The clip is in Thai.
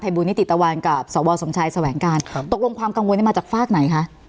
บุญนิติตะวันกับสวสมชายแสวงการครับตกลงความกังวลนี้มาจากฝากไหนคะ